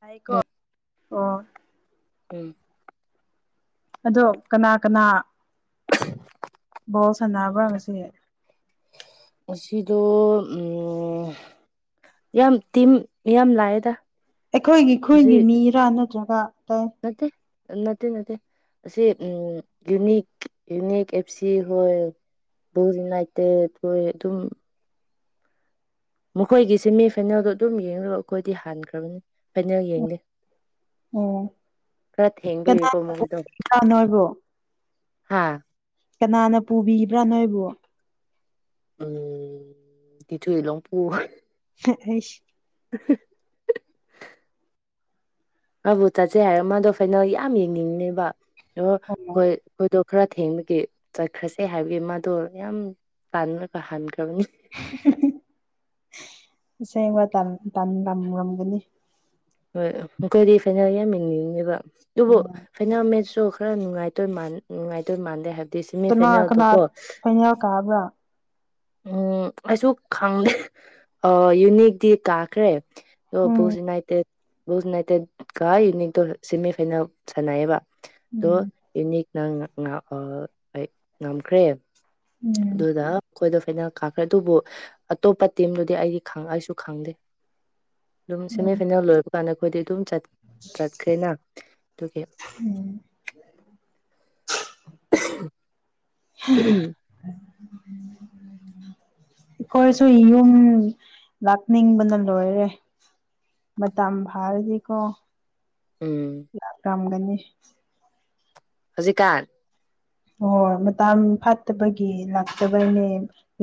ꯍꯥꯏꯀꯣ ꯑꯣ ꯎꯝ ꯑꯗꯣ ꯀꯅꯥ ꯀꯅꯥ ꯕꯣꯜ ꯁꯥꯟꯅꯕ꯭ꯔꯥ ꯉꯁꯤ ꯑꯁꯤꯗꯣ ꯌꯥꯝ ꯇꯤꯟꯝ ꯌꯥꯝ ꯂꯥꯛꯑꯦꯗ ꯑꯩꯈꯣꯏꯒꯤ ꯈꯨꯟꯒꯤ ꯃꯤꯔꯥ ꯅꯠꯇ꯭ꯔꯒ ꯑꯇꯩ ꯃꯠꯇ ꯅꯠꯇꯦ ꯅꯠꯇꯦ ꯑꯁꯤ ꯌꯨꯅꯤꯛ ꯌꯨꯅꯤꯛ ꯑꯦꯞ ꯁꯤ ꯍꯣꯏ ꯣꯅꯥꯏꯇ ꯑꯗꯨꯝ ꯃꯈꯣꯏꯒꯤ ꯁꯦꯃꯤ ꯐꯥꯏꯅꯦꯜꯗꯣ ꯑꯗꯨꯝ ꯌꯦꯡꯂꯒ ꯑꯩꯈꯣꯏꯗꯤ ꯍꯥꯟꯈ꯭ꯔꯕꯅꯤ ꯐꯥꯏꯅꯦꯜ ꯌꯦꯡꯗꯦ ꯑꯣ ꯈꯔ ꯊꯦꯡꯗꯣꯏꯏꯀꯣ ꯀꯅꯥꯅ ꯃꯣꯏꯗꯣ ꯄꯨꯕꯤꯕ꯭ꯔꯥ ꯅꯣꯏꯕꯨ ꯍꯥꯥ ꯀꯅꯥꯅ ꯄꯨꯕꯤꯕ꯭ꯔꯥ ꯅꯣꯏꯕꯨ ꯎꯝ ꯇꯊꯨ ꯏꯂꯣꯡꯄꯨꯔ ꯁ [unintelligible] ꯑꯗꯨꯕꯨ ꯆꯠꯆꯩ ꯍꯥꯏꯔꯣ ꯃꯥꯗꯣ ꯐꯅꯜ ꯌꯥꯝ ꯌꯦꯡꯅꯤꯡꯉꯅꯦꯕ ꯑꯣ ꯍꯣꯏꯣꯏ ꯈꯔ ꯊꯦꯡꯕꯒꯤ ꯆꯠꯈ꯭ꯔꯁꯦ ꯍꯥꯏꯕꯒꯤ ꯃꯥꯗꯣ ꯌꯥꯝ ꯇꯥꯟꯅꯔꯒ ꯍꯟꯈ꯭ꯔꯦ ꯁꯦꯡꯕ ꯇ ꯇꯝ ꯉꯝꯒꯅꯤ ꯍꯣꯏꯣꯏꯗꯤ ꯐꯥꯏꯅꯥꯜ ꯌꯥꯝꯃꯤꯅꯤꯡꯉꯦꯕ ꯑꯗꯨꯕꯨ ꯎꯝ ꯐꯥꯏꯅꯥꯜ ꯃꯦꯠꯁꯨ ꯈꯔ ꯅꯨꯡꯉꯥꯏꯇꯣꯏ ꯅꯨꯡꯉꯥꯏꯇꯣꯏ ꯃꯥꯟꯗꯦ ꯍꯥꯏꯕ ꯁꯤꯦꯃꯤ ꯀꯅꯥ ꯐꯥꯏꯅꯦꯜ ꯇ ꯀꯅꯥ ꯀꯣ ꯐꯥꯏꯅꯦꯜ ꯀꯥꯕ꯭ꯔꯥ ꯎꯝ ꯑꯩꯁꯨ ꯈꯪꯗꯦ ꯌꯨꯅꯤꯤ ꯀꯥꯈ꯭ꯔꯦ ꯎꯝ ꯑꯣꯕꯨꯣꯁꯤꯅꯥꯏ ꯣꯁꯅꯥꯏꯇ ꯀꯥꯏ ꯌꯅꯤꯗ ꯁꯦꯃꯤ ꯐꯥꯏꯅꯦꯜ ꯁꯅꯏꯌꯦꯕ ꯑꯗꯣ ꯎꯝ ꯌꯨꯅꯤꯛ ꯅꯪ ꯉꯝꯈ꯭ꯔꯦ ꯎꯝ ꯑꯗꯨꯗꯨꯗ ꯀꯣꯏꯗ ꯐꯥꯏꯅ ꯀꯥꯈ꯭ꯔꯦ ꯑꯗꯨꯕꯨ ꯑꯇꯣꯞꯄ ꯇꯤꯝꯗꯨꯗꯤ ꯑꯩꯒꯤ ꯑꯩꯁꯨ ꯈꯪꯗꯦ ꯑꯗꯨꯝ ꯎꯝ ꯁꯦꯃꯤꯐꯥꯏꯅꯦꯜ ꯂꯣꯏꯕ ꯀꯥꯟꯗ ꯑꯩꯈꯣꯏꯗꯤ ꯑꯗꯨꯝ ꯆꯠꯈ꯭ꯔꯦꯅ ꯑꯗꯨꯒꯤ ꯎꯝ [unintelligible] ꯍꯝ ꯑꯩꯈꯣꯏꯁꯨ ꯌꯨꯝ ꯂꯥꯛꯅꯤꯡꯕꯅ ꯂꯣꯏꯔꯦ ꯃꯇꯝ ꯐꯥꯔꯗꯤꯀꯣ ꯎꯝ ꯂ ꯌꯥꯝꯝꯒꯅꯤ ꯍꯧꯖꯤꯛꯀꯥꯟ ꯍꯣꯏ ꯃꯇꯝ ꯐꯠꯇꯕꯒꯤ ꯂꯥꯛꯇꯕꯅꯦ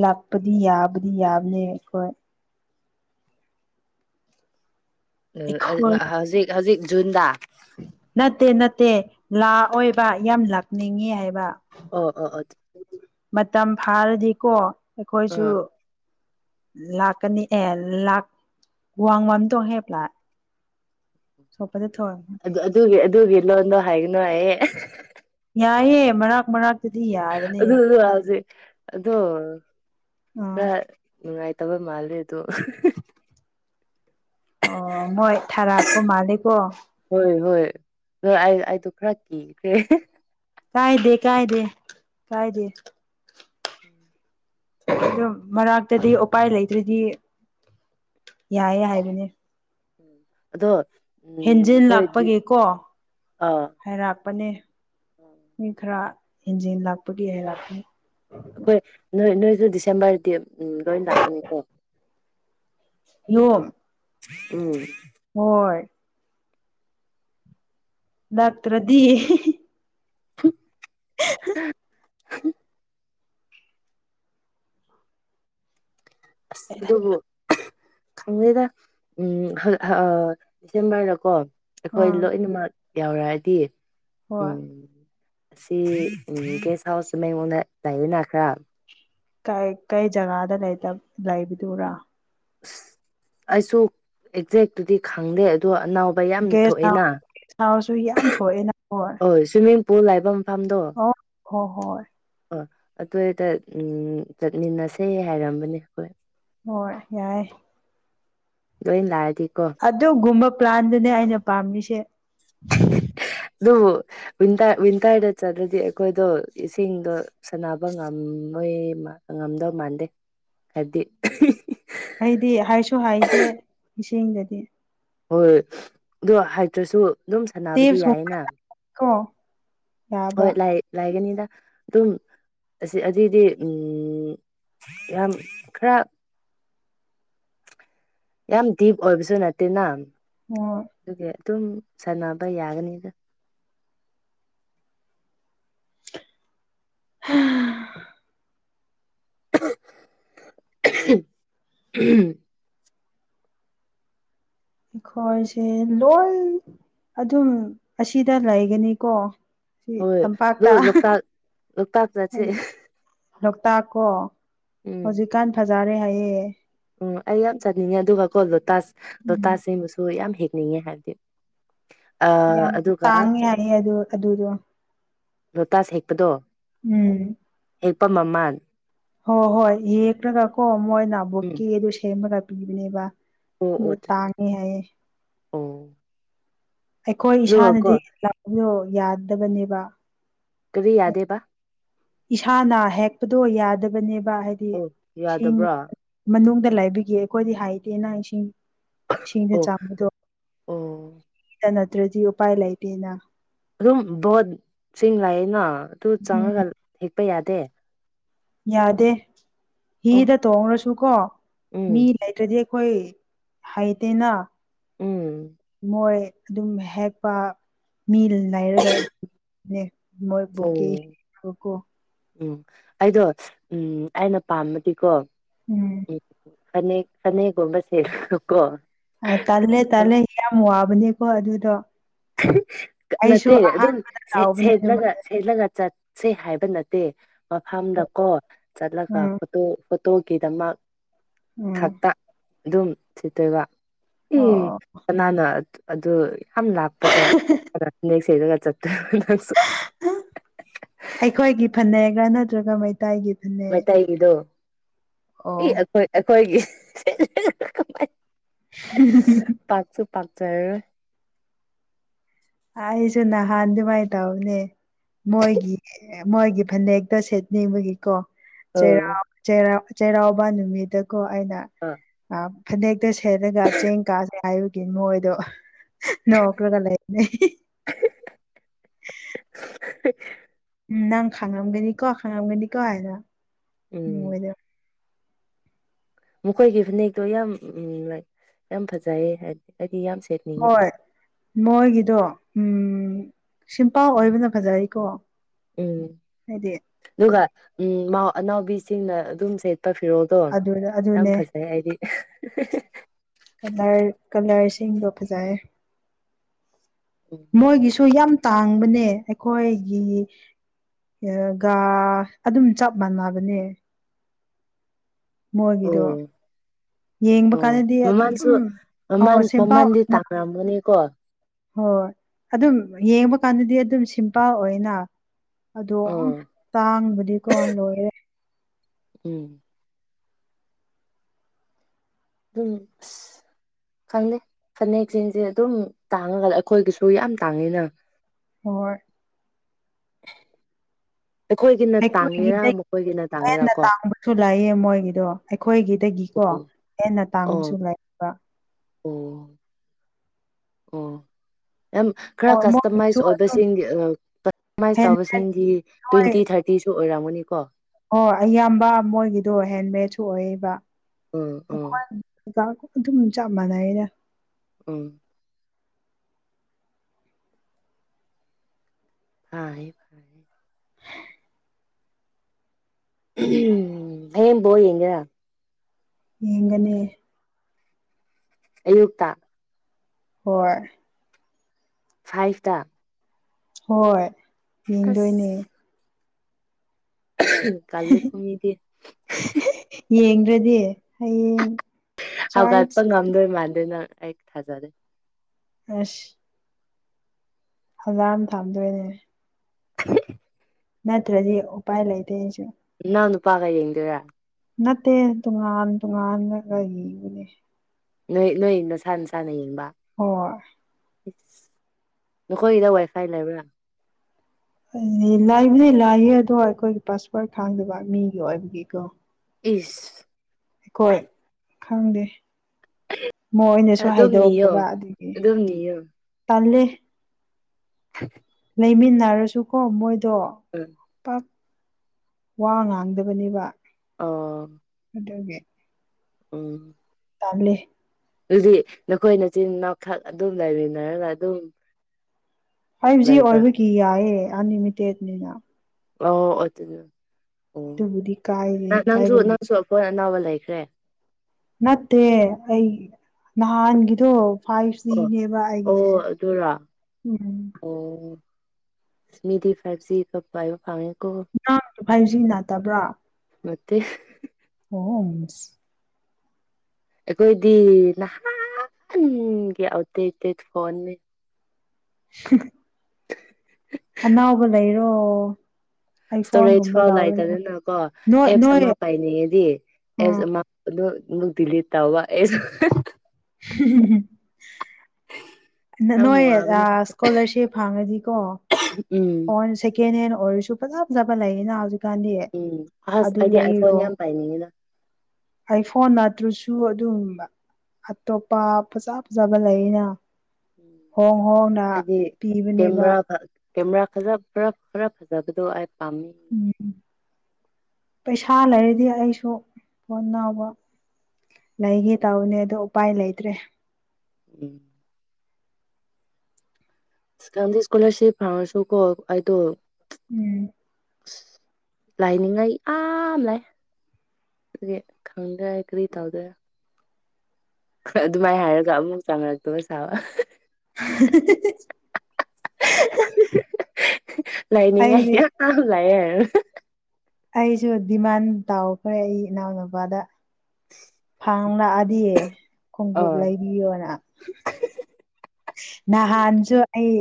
ꯂꯥꯛꯄꯗꯤ ꯌꯥꯕꯨꯗꯤ ꯌꯥꯕ ꯅꯤ ꯑꯩꯈꯣꯏ ꯎ ꯑꯩꯈꯣꯏ ꯍꯧꯖꯤꯛ ꯍꯧꯖꯤꯛ ꯖꯨꯟꯗ ꯅꯠꯇꯦ ꯅꯠꯇꯦ ꯂꯥꯑꯣꯕ ꯌꯥꯝ ꯂꯞꯅꯤꯡꯉ ꯍꯥꯏꯕ ꯑꯣ ꯑꯣ ꯑꯣ ꯃꯇꯝ ꯐꯥꯔꯗꯤꯀꯣ ꯑꯩꯈꯣꯏꯁꯨ ꯑꯣ ꯂꯥꯛꯀꯅꯤ ꯑꯦ ꯂꯥꯛꯈ ꯋꯥꯡ ꯋꯥꯟ ꯇꯣꯡ ꯍꯦꯕꯂꯥ ꯁꯣꯄꯗ ꯊ ꯑꯗꯨ ꯒꯤ ꯏꯂꯣꯗꯣ ꯍꯥꯏꯅꯣꯑ ꯌꯥꯏꯑꯦ ꯃꯛ ꯃꯔꯛꯇꯨꯗꯤ ꯌꯥꯕꯅꯦ ꯑꯗꯨ ꯍꯧꯖꯤꯛ ꯑꯗꯣ ꯎꯝ ꯀ ꯅꯨꯡꯉꯥꯏꯇꯕ ꯃꯥꯜꯂꯦ ꯑꯗꯣ ꯑꯣ ꯃꯣꯏ ꯊꯔꯥꯛꯀꯣ ꯃꯥꯂꯦꯀꯣ ꯑ ꯑꯩ ꯑꯩꯗꯣ ꯈꯔ ꯀꯤꯈ꯭ꯔꯦ ꯀꯥꯏꯗꯦ ꯀꯥꯏꯗꯦ ꯀꯥꯏꯗ ꯎꯝ ꯑꯗꯨ ꯃꯔꯛꯇꯗꯤ ꯎꯄꯥꯏ ꯂꯩꯇ꯭ꯔꯗꯤ ꯌꯥꯏ ꯍꯥꯏꯕꯅꯦ ꯎꯝ ꯑꯗꯣ ꯎꯝ ꯍꯦꯟꯖꯤꯟ ꯑꯩꯈꯣꯏꯗꯤ ꯂꯥꯛꯄꯒꯤꯀꯣ ꯑꯥ ꯍꯥꯏꯔꯥꯛꯄꯅꯦ ꯃꯤ ꯈꯔ ꯍꯦꯟꯖꯤꯦꯟ ꯂꯥꯛꯄꯒꯤ ꯍꯥꯏꯔꯥꯛꯅꯤ ꯑꯩꯈꯣꯏ ꯅꯣꯏ ꯅꯣꯏꯁꯨ ꯗꯤꯁꯦꯝꯕꯔꯗꯤ ꯎꯝ ꯂꯣꯏ ꯂꯥꯛꯀꯅꯤꯀꯣ ꯌꯣꯝ ꯎꯝ ꯍꯣꯏꯣꯏ ꯂꯥꯛꯇ꯭ꯔꯗꯤ [unintelligible] ꯑꯁ ꯑꯗꯨ ꯈꯪꯗꯦꯗ ꯎ ꯗꯤꯁꯦꯝꯕꯔꯗꯀꯣ ꯑꯩꯈꯣꯏ ꯑꯥ ꯂꯣꯏꯅꯃꯛ ꯌꯥꯎꯔ ꯍꯥꯏꯗꯤ ꯍꯣꯏ ꯎꯝ ꯑꯁꯤ ꯦꯁ ꯍꯥꯎꯁ ꯑꯩꯉꯣꯟꯗ ꯂꯏꯌꯦꯡ ꯅꯥꯈ꯭ꯔꯥ ꯀꯩ ꯖꯒꯥꯗ ꯂꯩꯕꯗꯨꯔꯥ ꯑꯁ ꯑꯩꯁꯨ ꯑꯦꯛꯖꯦꯛꯇꯨꯗꯤ ꯈꯪꯗꯦ ꯑꯗꯣ ꯑꯅꯥꯎꯕ ꯌꯥꯝ ꯒꯦꯁ ꯊꯣꯛꯑꯦꯅ ꯒꯦꯁ ꯍꯥꯎꯁꯁꯨ ꯌꯥꯝ ꯊꯣꯛꯑꯦꯅ ꯍ ꯁ꯭ꯋꯤꯃꯤꯡ ꯄꯨꯜ ꯍꯥꯏꯐꯝ ꯑ ꯍ ꯍꯣꯏ ꯑ ꯑꯗꯨꯏꯗ ꯎꯝ ꯆꯠꯃꯤꯟꯅꯁꯦ ꯍꯥꯏꯔꯝꯕꯅꯦ ꯍꯣꯏ ꯍꯣꯏ ꯌꯥꯏꯦ ꯂꯣꯏ ꯂꯑꯗꯤ ꯑꯗꯨꯒꯨꯝꯕ ꯄ꯭ꯂꯥꯟꯗꯨꯅꯦ ꯑꯩꯅ ꯄꯥꯝꯃꯤꯁꯦ [unintelligible] ꯑꯗꯨꯕꯨꯇ ꯋꯤꯟꯇꯔꯗ ꯆꯠ꯭ꯔꯗꯤ ꯑꯩꯈꯣꯏꯗꯣ ꯏꯁꯤꯡꯗꯣ ꯁꯥꯟꯅꯕ ꯉꯝꯃꯦ ꯃꯣꯏ ꯉꯝꯗꯧ ꯃꯥꯟꯗꯦ ꯈꯗꯤ ꯑꯩꯗꯤ ꯍꯥꯏꯁꯨ ꯍꯥꯏꯗꯦ ꯏꯆꯁꯤꯡꯗꯗꯤ ꯍꯣꯏꯣꯏ ꯑꯣ ꯍꯥꯏꯇ꯭ꯔꯁꯨ ꯑꯗꯨꯝ ꯁꯥꯟꯅꯕꯗꯤ ꯌꯥꯏꯌꯦꯅ ꯇꯤꯞꯁꯀꯨꯝꯕ ꯀꯣ ꯍꯣꯏ ꯌꯥꯕ ꯂꯥꯏ ꯂꯥꯏꯒꯅꯤꯗ ꯑꯗꯨꯝ ꯑꯁꯤ ꯑꯗꯨꯏꯗꯤ ꯌꯥꯝ ꯈꯔ ꯌꯥꯝ ꯗꯤꯞ ꯑꯣꯏꯕꯁꯨ ꯅꯠꯇꯦꯅ ꯍꯣꯏ ꯑꯗꯨꯒ ꯑꯗꯨꯝ ꯁꯥꯟꯅꯕ ꯌꯥꯒꯅꯤꯗ ꯍꯝ [unintelligible] ꯑꯩꯈꯣꯏꯁꯦ ꯂꯣꯏ ꯑꯗꯨꯝ ꯑꯁꯤꯗ ꯂꯩꯒꯅꯤꯀꯣ ꯁꯤ ꯍꯣꯏ ꯑꯗꯣ ꯇꯝꯄꯥꯛꯇ ꯂꯣꯛꯇꯥꯛ ꯂꯣꯛꯇꯥꯛ ꯆꯠꯁꯦ ꯍꯥꯏꯗꯤ ꯂꯣꯛꯇꯥꯛ ꯀꯣ ꯎꯝ ꯍꯧꯖꯤꯛꯀꯥꯟ ꯐꯖꯔꯦ ꯍꯥꯏꯌꯦꯦ ꯎꯝ ꯑꯩ ꯌꯥꯝ ꯆꯥꯅꯤꯡꯉꯦ ꯑꯗꯨꯒ ꯀꯣ ꯂꯣꯇꯥꯁ ꯎꯝ ꯂꯣꯇꯥꯖꯁꯤꯡꯕꯨꯁꯨ ꯌꯥꯝ ꯍꯦꯛꯅꯤꯡꯉꯦ ꯍꯥꯏꯕꯗꯤ ꯑ ꯌꯥꯝ ꯑꯗꯨꯒ ꯇꯥꯡꯉꯤ ꯍꯥꯏꯅꯦ ꯑꯗꯨ ꯑꯗꯨꯗ ꯂꯣꯇꯥꯁ ꯍꯦꯛꯄꯗꯣ ꯎꯝ ꯑꯦꯛꯄꯥ ꯃꯃꯜ ꯍꯣꯏ ꯍꯣꯏ ꯌꯦꯛꯂꯒ ꯀꯣ ꯎꯝ ꯃꯣꯏꯅꯕꯨꯛꯀꯤ ꯑꯗꯨ ꯁꯦꯝꯃꯒ ꯄꯤꯕꯅꯦꯕ ꯑꯣ ꯑꯣ ꯇꯥꯡꯉ ꯍꯥꯏ ꯑꯣ ꯑꯩꯈꯣꯏ ꯑꯗꯨꯒꯀꯣ ꯏꯁꯥꯅꯗꯤ ꯂꯥꯛꯕꯗꯣ ꯌꯥꯗꯕꯅꯦꯕ ꯀꯕꯤ ꯌꯥꯗꯦꯕ ꯏꯁꯥꯅ ꯍꯦꯛꯄꯗꯣ ꯌꯥꯗꯕꯅꯦꯕ ꯍꯥꯏꯗꯤ ꯑꯣ ꯏꯁꯤꯡ ꯌꯥꯗꯕ꯭ꯔꯣ ꯃꯅꯨꯡ ꯗ ꯂꯥꯏꯕꯤꯒ ꯑꯩꯈꯣꯏꯗꯤ ꯍꯥꯏꯗꯦꯅꯪ ꯏꯁꯤꯡ ꯏꯁꯤꯡꯅ ꯑꯣ ꯑꯣ ꯆꯥꯕꯗꯣꯇ ꯅꯠꯇ꯭ꯔꯗꯤ ꯎꯄꯥꯏ ꯂꯩꯇꯦꯅ ꯑꯗꯨꯝ ꯕꯣꯠꯁꯤꯡ ꯂꯥꯛꯑꯩꯅ ꯑꯗꯨ ꯎꯝ ꯆꯪꯉꯒ ꯍꯦꯛꯄ ꯌꯥꯗꯦ ꯌꯥꯗꯦ ꯑꯣ ꯍꯤꯗ ꯇꯣꯡ꯭ꯔꯁꯨ ꯀꯣ ꯎꯝ ꯃꯤ ꯂꯩꯇ꯭ꯔꯗꯤ ꯑꯩꯈꯣꯏ ꯍꯩꯇꯦꯅ ꯎꯝ ꯃꯣꯏ ꯑꯗꯨꯝ ꯍꯦꯛꯄ ꯃꯤ ꯂꯩꯔꯒ ꯃꯣꯏ ꯑꯣ ꯕꯨꯀꯤꯦ ꯈꯣꯈꯣ ꯎꯝ ꯑꯩꯗꯣ ꯎꯝ ꯑꯩꯅ ꯄꯥꯃꯗꯤꯀꯣ ꯎꯝ ꯎ ꯁꯅꯦꯦꯛ ꯁꯅꯦꯦꯛꯒꯨꯝꯝꯕꯁꯦꯔ ꯀꯣ ꯑ ꯇꯥꯜꯂꯦ ꯇꯥꯜꯂꯦ ꯌꯥꯝ ꯌꯥꯝ ꯋꯥꯕꯅꯤꯀꯣ ꯑꯗꯨꯗꯣ ꯑꯩꯁꯨ ꯅꯠꯇꯦ ꯑꯗꯨꯝ ꯑꯍꯥꯟꯕꯗ ꯇꯥꯎꯕꯅꯦ ꯁꯦꯠꯂꯒ ꯑꯗꯨꯃꯥꯏꯅ ꯁꯦꯠꯂꯒꯠ ꯆꯠ ꯁꯤ ꯍꯥꯏꯕ ꯅꯠꯇꯦ ꯃꯐꯝꯗ ꯀꯣ ꯆꯠꯂꯒ ꯎꯝ ꯐꯣꯇꯣ ꯇꯣꯀꯦꯗꯃ ꯎꯝ ꯑꯗꯨꯝ ꯁꯤꯠꯇꯣꯏꯕ ꯏ ꯑꯣ ꯑꯣ ꯀꯅꯥꯅꯣ ꯑꯗꯨ ꯌꯥꯝ ꯅꯦꯛꯁꯒꯠ ꯆꯦ ꯑꯩꯈꯣꯏꯒꯤ ꯐꯅꯦꯛꯒꯥ ꯅꯠꯇ꯭ꯔꯒ ꯃꯩꯇꯩꯒꯤ ꯐꯅꯦꯛ ꯃꯩꯇꯩꯒꯤꯗꯣ ꯏ ꯑꯣ ꯑꯩꯈꯣꯏ ꯑꯩꯈꯣꯏꯒꯤ [unintelligible] ꯄꯆ ꯑꯁꯨꯟꯅ ꯍꯥꯟꯗꯥꯏ ꯇꯎꯅꯦ ꯃꯣꯏꯒꯤ ꯃꯣꯏꯒꯤ ꯐꯅꯦꯛꯇ ꯁꯦꯠꯅꯤꯡꯕꯒꯤꯀꯣ ꯆꯩꯥꯎ ꯆꯩꯔꯥꯎꯕ ꯅꯨꯃꯤꯠꯇꯀꯣ ꯑꯩꯅ ꯑ ꯑ ꯐꯅꯦꯛ ꯀꯛꯇ ꯁꯦꯠꯂꯒ ꯆꯦꯡ ꯀꯥꯁꯦ ꯍꯥꯏꯕꯒꯤ ꯃꯣꯏꯗꯣ ꯅꯣꯛꯂꯒ ꯂꯩ ꯂꯩ [inaudible] ꯎꯝ ꯅꯪ ꯈꯥꯡꯉꯝꯒꯅꯤꯀꯣ ꯈꯥꯡꯉꯝꯒꯅꯤꯀꯣ ꯍꯥꯏꯅ ꯎꯝ ꯃꯣꯏꯗ ꯃꯈꯣꯏꯒꯤ ꯐꯅꯦꯛꯇꯣ ꯌꯥꯝ ꯎ ꯂ ꯌꯥꯝ ꯐꯖꯩꯌꯦ ꯍꯥꯏꯗꯤ ꯌꯥꯝ ꯁꯦꯠꯅꯤꯡꯉꯦ ꯍꯣꯏ ꯃꯣꯏꯒꯤꯗꯣ ꯎꯝ ꯁꯤꯝꯄꯥ ꯑꯣꯏꯕꯅ ꯐꯖꯩꯀꯣ ꯎꯝ ꯍꯥꯏꯗꯤ ꯑꯗꯨꯒ ꯎꯝ ꯑꯅꯥꯎꯕꯤꯁꯤꯡꯅ ꯑꯗꯨꯝꯁꯦ ꯑꯗꯨ ꯑꯗꯨꯅꯦ ꯑꯩꯗꯤ ꯀꯂꯔ ꯀꯂꯔꯁ ꯕ ꯐꯖ ꯎꯝ ꯃꯣꯏꯒꯤꯁꯨ ꯌꯥꯝ ꯇꯥꯡ ꯍꯪꯕꯅꯦ ꯑꯩꯈꯣꯏꯒꯤ ꯑꯗꯨꯝ ꯆꯞ ꯃꯥꯟꯅꯕꯅꯦ ꯃꯒꯤꯗꯨ ꯑꯣ ꯑꯣ ꯃꯃꯥꯟꯁꯨ ꯑꯣ ꯃꯃꯥꯟ ꯁꯤꯝꯄꯜ ꯃꯃꯥꯟꯗꯤ ꯑꯣꯏꯅ ꯇꯥꯡꯅꯃꯅꯤꯀꯣ ꯍꯣꯏ ꯑꯗꯨꯝ ꯌꯦꯡꯕ ꯀꯥꯟꯗꯗꯤ ꯑꯗꯨꯝ ꯁꯤꯝꯄꯜ ꯑꯣꯏꯅ ꯑꯗꯣ ꯑꯥ ꯇꯥꯡꯕꯗꯤ ꯀꯣꯣꯟ ꯂꯣꯏꯔꯦ ꯎꯝ ꯎꯝ ꯈꯪꯗꯦ ꯐꯅꯦꯛꯁꯤꯡꯁꯦ ꯑꯗꯨꯝ ꯇꯥꯡꯉꯒ ꯑꯩꯈꯣꯏꯒꯤꯁꯨ ꯌꯥꯝ ꯇꯥꯡꯉꯤꯅ ꯍꯣꯏ ꯑꯩꯈꯣꯏꯒꯤꯅ ꯃ ꯇꯥꯡꯒꯦꯔꯥ ꯃꯈꯣꯏꯒꯤꯅ ꯇꯥꯡꯒꯦꯔꯥ ꯀꯣ ꯇꯥꯡ ꯂꯥꯛꯑ ꯃꯣꯏꯒꯤꯗꯣ ꯑꯩꯈꯣꯏꯒꯤꯗꯒꯤꯀꯣ ꯑꯣ ꯍꯦꯟꯅ ꯑꯣ ꯇꯥꯡꯕꯁꯨ ꯂꯩꯥꯛꯑꯕ ꯑꯣ ꯑꯣ ꯑ ꯈꯔ ꯍꯣꯏ ꯃꯣꯏꯒꯤꯁꯨ ꯀꯁꯇꯃꯥꯏꯁ ꯑꯗꯨꯝ ꯑꯣꯏꯕꯁꯤꯡ ꯍꯦꯟꯃꯦꯠ ꯇꯁꯤꯡ ꯇ꯭ꯋꯦꯟꯇꯤ ꯊꯥꯔꯇꯤꯁꯨ ꯑꯣꯏꯔꯝꯅꯤ ꯑꯣ ꯑꯌꯥꯝꯕ ꯃꯣꯏꯒꯤꯗꯣ ꯍꯦꯟꯃꯦꯦꯠꯁꯨ ꯑꯣꯏꯕ ꯎꯝ ꯎꯝ ꯑꯩꯈꯣꯏ ꯑꯗꯨꯝ ꯆꯞ ꯃꯥꯟꯅꯩ ꯑꯩꯅ ꯎꯝ ꯐꯦ ꯐꯦ ꯎꯝ ꯍ ꯄ ꯌꯦꯉ ꯌꯦꯡꯒꯅꯤ ꯑꯌꯛꯇ ꯍꯣꯏ ꯐꯥꯏꯚ ꯇ ꯍꯣꯏ ꯑꯁ ꯌꯦꯡꯗꯣꯏꯅꯦ ꯀꯜꯂ ꯈꯃꯤꯗꯦ ꯌꯦꯡ꯭ꯔꯗꯤ ꯍꯧꯒꯠꯄ ꯉꯝꯗꯣꯏ ꯃꯥꯟꯗ ꯅꯪ ꯑꯩ ꯊꯥꯖꯔꯦ ꯑꯁ ꯑꯣꯖꯥ ꯑꯃ ꯊꯥꯝꯗꯣꯏꯅꯦ [unintelligible] ꯅꯠꯇ꯭ꯔꯖꯤ ꯎꯥꯏ ꯂꯩꯇꯁꯨꯦ ꯅꯪ ꯅꯨꯄꯥꯒ ꯌꯦꯡꯗꯔ ꯅꯠꯇꯦ ꯇꯣꯉꯥꯟ ꯇꯣꯉꯜꯂꯒ ꯌꯦꯕꯅꯦ ꯅꯣꯏ ꯅꯣꯏꯗ ꯁꯥꯟꯅ ꯁꯅ ꯌꯦꯡꯕ ꯍꯣꯏ ꯅꯈꯣꯏꯒꯤꯗ ꯋꯥꯏꯐꯥꯏ ꯂꯩꯕ꯭ꯔꯥ ꯑꯗꯨꯗꯤ ꯂꯥꯏꯕꯗꯤ ꯂꯥꯏꯌꯦ ꯑꯗꯣ ꯑꯩꯈꯣꯏꯒꯤ ꯄꯥꯁꯄꯠ ꯈꯥꯡꯗꯕ ꯃꯤꯒꯤ ꯑꯣꯏꯕꯒꯤꯀꯣ ꯏꯁ ꯑꯩꯈꯣꯏ ꯈꯪꯗꯦ ꯃꯣꯏꯅꯁꯨ ꯑꯗꯨꯝ ꯍꯥꯏꯗꯣꯛꯑꯗꯦꯕ ꯅꯤꯌꯣ ꯑꯗꯨꯒꯤ ꯑꯗꯨꯝ ꯅꯤꯌꯣ ꯇꯜꯂꯤ [unintelligible] ꯂꯩꯃꯤꯟꯅꯔꯁꯨ ꯀꯣ ꯃꯣꯏꯗꯣ ꯎꯝ ꯄꯥꯛ ꯋꯥ ꯉꯥꯡꯗꯕꯅꯦꯕ ꯑ ꯒꯦ ꯑꯣ ꯇꯥꯝꯂꯦ ꯑꯗꯨꯗꯤ ꯅꯈꯣꯏ ꯅꯆꯤꯟꯅꯥꯎꯊꯛ ꯑꯗꯨꯝ ꯂꯩꯃꯤꯟꯅꯔꯒ ꯑꯗꯨꯝ ꯐꯥꯏꯚ ꯖꯤ ꯂꯩꯕ꯭ꯔꯥ ꯑꯣꯏꯕꯒꯤ ꯌꯥꯏꯑꯦ ꯑꯟꯂꯤꯃꯤꯇꯦꯠꯅꯤꯅ ꯑꯣ ꯑꯣ ꯑꯗꯨꯕꯨꯗꯤ ꯀꯥꯏꯔꯦ ꯑꯗꯨ ꯀꯥꯏꯕ ꯑꯣꯁꯨꯁꯨꯕ ꯇꯥꯏꯈ꯭ꯔꯦ ꯃꯠꯇꯦ ꯑꯩ ꯅꯥꯟꯒꯗꯨ ꯑꯣ ꯐꯥꯏꯅꯦꯕ ꯍꯥꯏꯁ ꯑꯣ ꯎꯝ ꯁꯃꯤꯗꯤ ꯐꯁꯤꯄ ꯐ ꯅꯥꯡꯁꯨ ꯍꯥꯏꯁꯤ ꯅꯥꯠꯇꯕ꯭ꯔꯥ ꯇ ꯑꯣ ꯑꯩꯈꯣꯏꯗꯤ ꯅꯍꯥꯟꯒꯤ ꯑꯇꯩ ꯐꯣꯟꯅꯤ ꯁꯤ ꯑꯅꯥꯎꯕ ꯂꯩꯔꯣ ꯏꯁꯇꯣꯔꯦꯖ ꯑꯥꯏꯐꯣꯟꯒꯨꯝꯕ ꯐꯥꯎ ꯂꯧꯔꯅꯦ ꯂꯥꯛꯏꯇꯗꯅ ꯀꯣ ꯅꯣꯏ ꯑꯦꯞꯁ ꯅꯣꯏ ꯑꯃ ꯄꯥꯏꯅꯤꯡꯉꯦꯗꯤ ꯑꯦꯁ ꯎꯝ ꯃꯥꯂ ꯇꯋꯥꯁ [unintelligible] [unintelligible] ꯌꯥꯝ ꯅꯣꯏ ꯋꯥꯕꯅꯦ ꯑꯥ ꯏꯁꯀꯣꯂꯥꯔꯁꯤꯞ ꯐꯪꯉꯗꯤꯀꯣ ꯎꯝ ꯐꫭꯟ ꯁꯦꯀꯦꯟ ꯍꯦꯟ ꯑꯣꯏꯔꯁꯨ ꯐꯖꯖꯕ ꯂꯩꯌꯦꯅ ꯍꯧꯖꯤꯛ ꯀꯟꯗꯤ ꯎꯝ ꯑꯁ ꯑꯗꯨ ꯑꯩꯗꯤ ꯑꯥꯏꯐꯣꯟ ꯂꯩꯔꯣ ꯌꯥꯝ ꯄꯥꯏꯅꯤꯡꯉꯤꯗ ꯑꯩ ꯐꯣꯟ ꯅꯠꯇ꯭ꯔꯁꯨ ꯁꯨ ꯑꯗꯨꯝ ꯑꯇꯣꯞꯄ ꯐꯖ ꯐꯖꯕ ꯂꯩꯑꯅ ꯍꯣꯡ ꯍꯣꯡꯅ ꯑꯩꯗꯤ ꯄꯤꯕꯅꯦꯕ ꯀꯦꯃꯦꯔꯥ ꯐ- ꯀꯦꯃꯦꯔꯥ ꯈꯔꯥ ꯈꯔꯥ ꯈꯔꯥ ꯐꯖꯕꯗꯣ ꯑꯩ ꯄꯥꯝꯃꯤ ꯎꯝ ꯄꯩꯁꯥ ꯂꯩꯔꯗꯤ ꯑꯩꯁꯨ ꯐꯣꯟ ꯅꯥꯎꯕ ꯂꯩꯒꯦ ꯇꯧꯕꯅꯦ ꯑꯗꯣ ꯎꯄꯥꯏ ꯂꯩꯇ꯭ꯔꯦ ꯎꯝ ꯀꯟꯗ‌ꯦ ꯏꯁ꯭ꯀꯣꯂꯔꯁꯤꯞ ꯐꯥꯎꯔꯁꯨ ꯀꫭ ꯑꯩꯗꯣ ꯎꯝ ꯂꯥꯏꯅꯤꯡꯉꯥꯏ ꯑꯝꯂꯩ ꯈꯪꯗꯔ‌ꯦ ꯑꯩ ꯀꯔꯤ ꯇꯩꯗꫭꯏꯅ‌ꫭ ꯑꯗꯨꯃꯥꯏꯅ ꯍꯥꯏꯔꯒ ꯑꯃꯨꯛ ꯆꯪꯅꯂꯛꯇꯒ ꯁꯥꯕ [unintelligible] ꯂꯥꯏꯅꯤ ꯍꯥꯏ ꯑꯩꯗꯤ ꯑ ꯂꯥꯏꯔ [unintelligible] ꯑꯩꯁꯨ ꯗꯤꯃꯥꯟ ꯇꯥꯎꯈ꯭ꯔꯦ ꯑꯩ ꯏꯅꯥꯎꯅꯨꯄꯥꯗ ꯐꯥꯕ ꯃꯨꯛ ꯂꯛꯑꯗꯤꯌꯦ ꯑ ꯈꯣꯡꯎꯞ ꯂꯩꯕꯤꯌꯣꯅ ꯅꯍꯥꯟꯁꯨ ꯑꯩ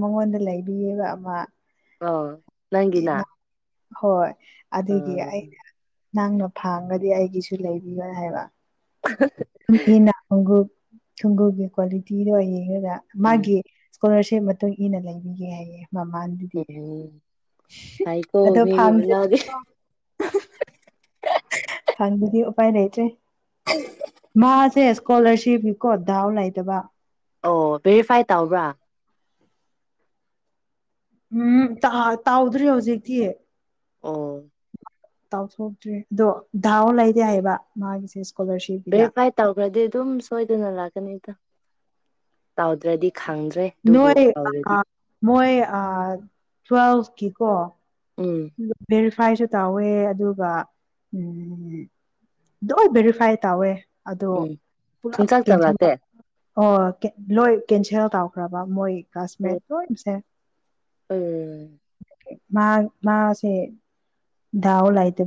ꯃꯉꯣꯟꯗ ꯂꯩꯕꯤꯑꯕ ꯑꯃ ꯑꫭ ꯅꯪꯒꯤꯅꯥ ꯍꯣꯏ ꯑꯗꯨꯒꯤ ꯑꯩꯅ ꯅꯪꯅ ꯐꯪꯉꯥꯗꯤ ꯑꯩꯒꯤꯁꯨ ꯂꯩꯕꯤꯌꯅ ꯍꯥꯏꯕ ꯏꯟꯅ ꯈꯣꯡꯒꯞ ꯈꫭꯡꯒꯞꯒꯤ ꯀ꯭ꯋꯥꯂꯤꯇꯤꯒꯥ ꯌꯦꯡꯉꯒ ꯎꯝ ꯃꯥꯒꯤ ꯏꯁꯀꯣꯂꯥꯔꯁꯤꯞ ꯃꯇꯨꯡ ꯏꯟꯅ ꯂꯩꯕꯤꯒꯦ ꯍꯥꯏꯌꯦ ꯃꯃꯥꯟꯗꯨꯗꯤ ꯎꯝ ꯐꯩꯀꯣ ꯑꯗꯣ ꯃꯤꯒꯤ ꯐꯥꯡꯗ꯭ꯔꯥꯗꯤ ꯃꯅꯥꯎꯗꯤ ꯀꫭ ꯐꯪꯗꯔꯥꯗꯤ ꯎꯄꯥꯏ ꯂꯩꯇꯦ ꯃꯁꯦ ꯏꯁꯀꯣꯂꯔꯁꯤꯞꯅꯤꯀꯣ ꯗꯥꯎ ꯂꯩꯇꯕ ꯑꯣ ꯚꯦꯔꯤꯐꯥꯏ ꯇꯧꯕ꯭ꯔꯥ ꯎꯝ ꯇꯥꯎꯗ꯭ꯔꯤ ꯍꯧꯖꯤꯛꯇꯤ ꯑꫭ ꯇꯥꯎꯊꯣꯛꯇ꯭ꯔꯤ ꯑꯗꯣ ꯗꯥꯎ ꯂꯩꯗꯦ ꯍꯥꯏꯕ ꯃꯥꯒꯤꯁꯦ ꯏꯁꯀꯣꯂꯥꯔꯁꯤꯞꯀꯤꯗ ꯚꯦꯔꯤꯐꯥꯏ ꯇꯧꯈ꯭ꯔꯗꯤ ꯑꯗꯨꯝ ꯁꯣꯏꯗꯅ ꯂꯥꯛꯀꯅꯤꯗ ꯇꯧꯗ꯭ꯔꯗꯤ ꯈꯪꯗ꯭ꯔꯦ ꯑꯗꯨꯕꯨ ꯅꯣꯏ ꯇꯧꯗ꯭ꯔꯗꯤ ꯃꯣꯏ ꯑ ꯇ꯭ꯋꯦꯜꯚꯀꯤ ꯀꯣ ꯎꯝ ꯐ [unintelligible] ꯐꯥꯏꯁꯨ ꯇꯧꯋꯦ ꯑꯗꯨꯒ ꯎꯝ ꯂꯣꯏ ꯚꯦꯔꯤꯐꯥꯏ ꯇꯧꯋꯦ ꯑꯗꯣ ꯎꯝ ꯄꯨꯂꯞ ꯁꯨꯡꯆꯥꯛ ꯆꯥꯛꯂꯛꯇꯦ ꯀꯦꯟꯁꯟꯕ ꯑꯣ ꯂꯣꯏ ꯀꯦꯟꯁꯦꯜ ꯇꯧꯈ꯭ꯔꯕ ꯃꯣꯏ ꯑꯣ ꯀ꯭ꯂꯥꯁꯃꯦꯠ ꯂꯣꯏꯅꯁ‌ꯦ ꯎꯝ ꯃꯥ ꯃꯥꯁꯦ ꯗꯥꯎ ꯂꯥꯏꯇ